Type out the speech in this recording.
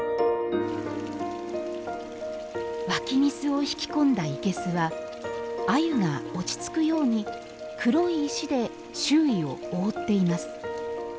湧き水を引き込んだ生けすは鮎が落ち着くように黒い石で周囲を覆っています。